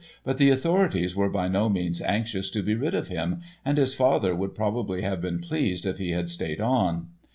But the authorities were by no means anxious to be rid of him and his father would probably have been pleased if he had stayed on.